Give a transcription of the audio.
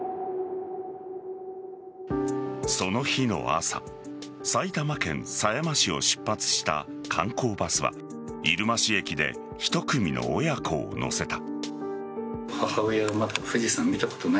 その日の朝、埼玉県狭山市を出発した観光バスは入間市駅で１組の親子を乗せた。